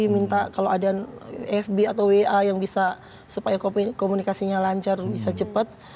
minta kalau ada fb atau wa yang bisa supaya komunikasinya lancar bisa cepat